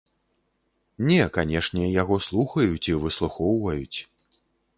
Не, канешне, яго слухаюць і выслухоўваюць.